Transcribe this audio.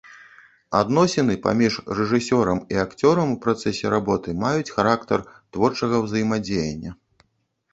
Адносіны паміж рэжысёрам і акцёрам у працэсе работы маюць характар творчага ўзаемадзеяння.